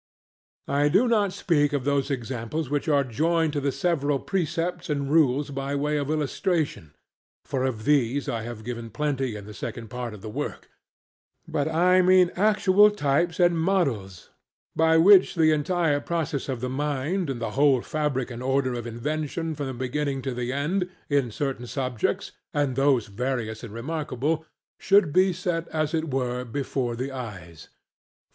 I do not speak of those examples which are joined to the several precepts and rules by way of illustration (for of these I have given plenty in the second part of the work); but I mean actual types and models, by which the entire process of the mind and the whole fabric and order of invention from the beginning to the end, in certain subjects, and those various and remarkable, should be set as it were before the eyes.